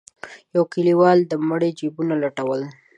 يو کليوال د مړي جيبونه لټول.